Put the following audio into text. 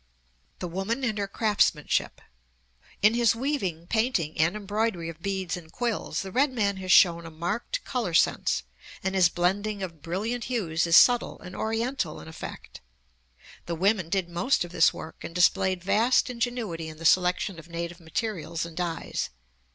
THE WOMAN AND HER CRAFTSMANSHIP In his weaving, painting, and embroidery of beads and quills the red man has shown a marked color sense, and his blending of brilliant hues is subtle and Oriental in effect. The women did most of this work and displayed vast ingenuity in the selection of native materials and dyes.